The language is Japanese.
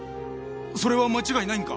それは間違いないんか？